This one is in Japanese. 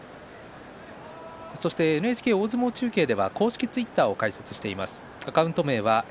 ＮＨＫ大相撲中継では公式ツイッターを開設しています。